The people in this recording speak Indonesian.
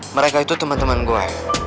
mereka itu teman teman gue